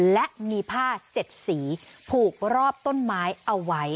และมีผ้า๗สีผูกรอบต้นไม้เอาไว้